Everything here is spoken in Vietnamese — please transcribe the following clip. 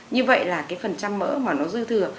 như vậy là cái phần trăm mỡ mà nó dư thừa